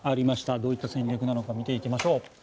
どういった戦略なのか見ていきましょう。